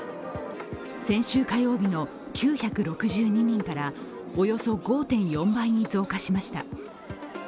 先週火曜日の９６２人からおよそ５．４倍に増加しました。